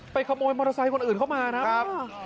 ขโมยมอเตอร์ไซค์คนอื่นเข้ามานะครับ